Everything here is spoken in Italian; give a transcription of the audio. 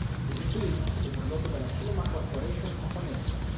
Il film fu prodotto dalla Cinema Corporation of America.